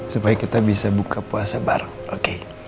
supaya kita bisa buka puasa bareng oke